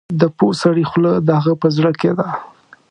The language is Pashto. د پوه سړي خوله د هغه په زړه کې ده.